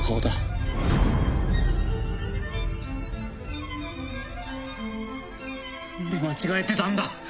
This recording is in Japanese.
何で間違えてたんだ？